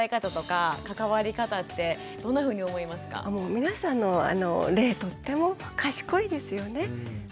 皆さんの例とっても賢いですよね。